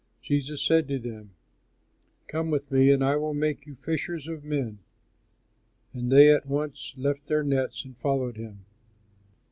Jesus said to them, "Come with me, and I will make you fishers of men." And they at once left their nets and followed him.